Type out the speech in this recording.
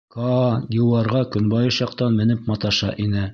Каа диуарға көнбайыш яҡтан менеп маташа ине.